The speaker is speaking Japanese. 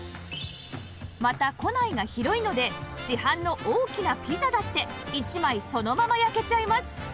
また庫内が広いので市販の大きなピザだって１枚そのまま焼けちゃいます